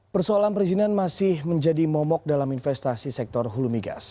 persoalan perizinan masih menjadi momok dalam investasi sektor hulu migas